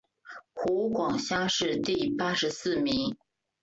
湖广乡试第八十四名。